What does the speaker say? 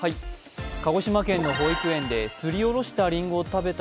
鹿児島県の保育園ですりおろしたりんごを食べた